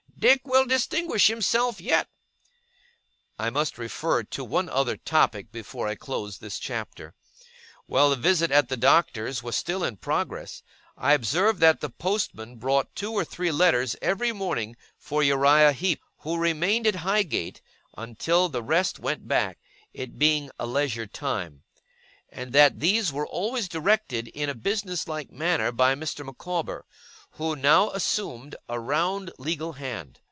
'Dick will distinguish himself yet!' I must refer to one other topic before I close this chapter. While the visit at the Doctor's was still in progress, I observed that the postman brought two or three letters every morning for Uriah Heep, who remained at Highgate until the rest went back, it being a leisure time; and that these were always directed in a business like manner by Mr. Micawber, who now assumed a round legal hand.